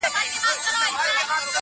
ورسره به وي د ګور په تاریکو کي٫